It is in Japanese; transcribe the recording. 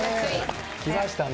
きましたね。